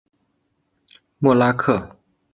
默拉克。